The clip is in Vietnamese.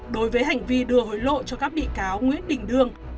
đối với hành vi đưa hối lộ cho các bị cáo nguyễn đình đương